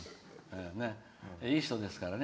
いい人ですからね